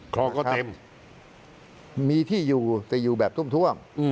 คลองก็เต็มมีที่อยู่แต่อยู่แบบท่วม